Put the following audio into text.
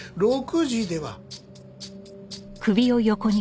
６時では？